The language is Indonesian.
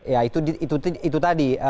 ya itu tadi